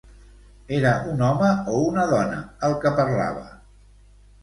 Era un home o una dona, el que parlava?